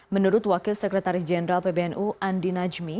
menurut wakil sekretaris jenderal pbnu andi najmi